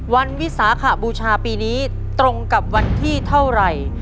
วิสาขบูชาปีนี้ตรงกับวันที่เท่าไหร่